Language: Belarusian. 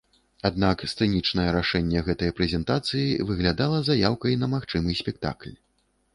Аднак сцэнічнае рашэнне гэтай прэзентацыі выглядала заяўкай на магчымы спектакль.